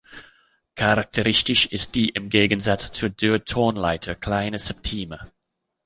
Charakteristisch ist die im Gegensatz zur Dur-Tonleiter kleine Septime.